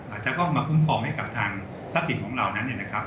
อาจจะต้องมาคุ้มครองให้กับทางทรัพย์สินของเรานั้นเนี่ยนะครับ